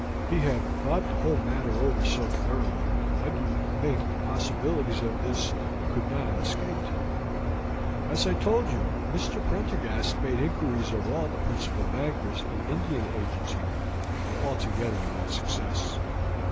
He had thought the whole matter over so thoroughly, I do think the possibilities of this could not have escaped him. As I told you, Mr. Prendergast made inquiries of all the principal bankers and Indian agents here, and altogether without success.